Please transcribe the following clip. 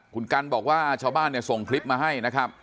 คุณกัลบอกว่าชาวบ้านส่งคลิปมาให้